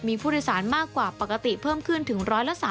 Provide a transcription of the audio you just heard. มีผู้โดยสารมากกว่าปกติเพิ่มขึ้นถึง๑๓๐